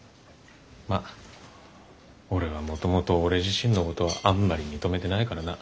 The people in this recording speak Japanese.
まっ俺はもともと俺自身のことはあんまり認めてないからな。